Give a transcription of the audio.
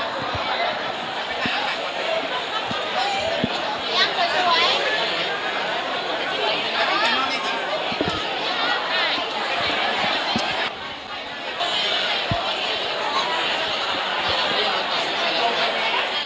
สุดท้ายสุดท้ายสุดท้าย